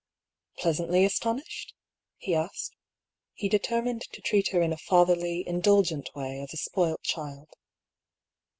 " Pleasantly astonished ?" he asked. He determined to treat her in a fatherly, indulgent way, as a spoilt child.